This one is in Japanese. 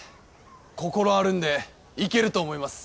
心あるんでいけると思います！